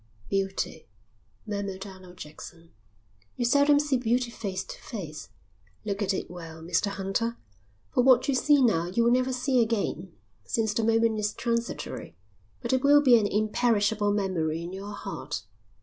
"Beauty," murmured Arnold Jackson. "You seldom see beauty face to face. Look at it well, Mr Hunter, for what you see now you will never see again, since the moment is transitory, but it will be an imperishable memory in your heart.